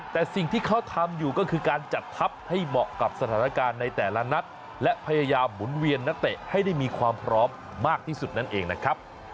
แต่สิ่งที่เขาทำอยู่ก็คือการจัดทัพให้เหมาะกับสถานการณ์ในแต่ละนัดและพยายามหมุนเวียนนักเตะให้ได้มีความพร้อมมากที่สุดนั่นเองนะครับ